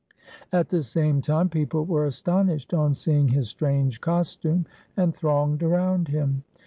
At the same time people were astonished on seeing his strange costume, and thronged around him.